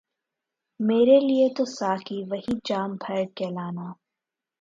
میرے لئے تو ساقی وہی جام بھر کے لانا